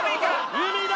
海だ！